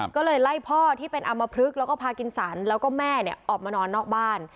ก็เลยไล่พ่อที่เป็นอำมพลึกแล้วก็พากินสันแล้วก็แม่ออกมานอนนอกบ้าน